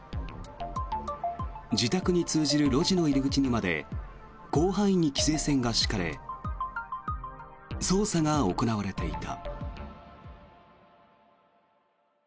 自宅に通じる路地の入り口にまで広範囲に規制線が敷かれ捜査が行われていた。